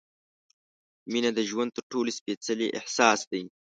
مینه د ژوند تر ټولو سپېڅلی احساس دی.